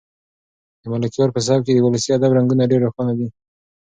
د ملکیار په سبک کې د ولسي ادب رنګونه ډېر روښانه دي.